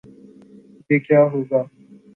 یہ کیا ہو گا؟